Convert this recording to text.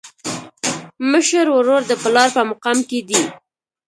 مشر ورور د پلار په مقام کي دی.